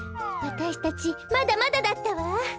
わたしたちまだまだだったわ。